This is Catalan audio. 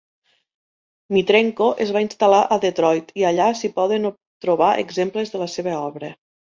Dmytrenko es va instal·lar a Detroit i allà s'hi poden trobar exemples de la seva obra.